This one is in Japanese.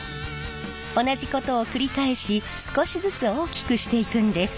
同じことを繰り返し少しずつ大きくしていくんです。